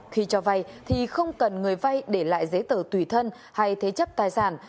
khi cho vay thì không cần người vay để lại giấy tờ tùy thân hay thế chấp tài sản